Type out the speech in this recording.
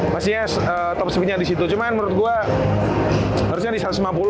maksudnya top speednya di situ cuman menurut gua harusnya di satu ratus lima puluh ya final